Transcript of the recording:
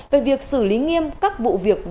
về việc xử lý nghiêm các vụ việc